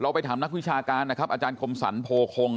เราไปถามนักวิชาการอาจารย์คมศรโผคง